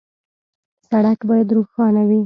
سړک باید روښانه وي.